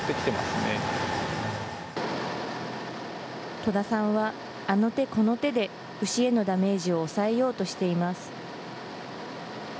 戸田さんは、あの手この手で牛へのダメージを抑えようとしています。